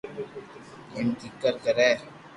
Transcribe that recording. ايم ڪيڪر ڪري